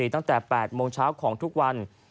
ตั้งแต่๘โมงเช้าของทุกวัน